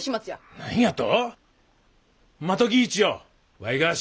何やと。